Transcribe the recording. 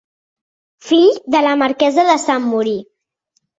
Fill de la marquesa de Sant Mori.